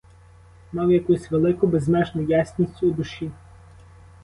Мав якусь велику, безмежну ясність у душі.